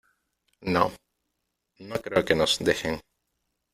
no ... no creo que nos dejen .